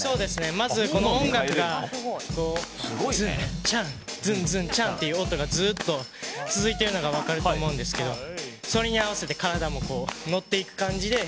まず、この音楽がズンチャ、ズンズンチャって音がずっと続いてるのが分かると思うんですけどそれに合わせて体も乗っていく感じで。